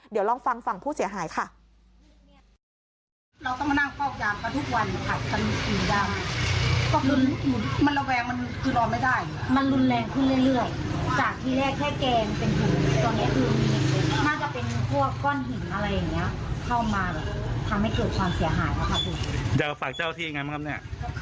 เดี๋ยวลองฟังฝั่งผู้เสียหายค่ะ